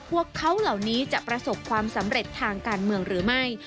พวกเขาเหล่านี้จะประสบความสำเร็จทางการเมืองหรือไม่